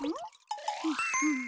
ん？